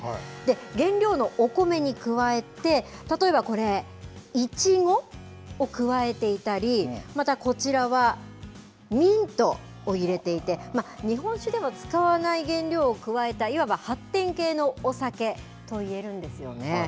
原料のお米に加えて、例えばこれ、いちごを加えていたり、またこちらはミントを入れていて、日本酒では使わない原料を加えた、いわば発展形のお酒といえるんですよね。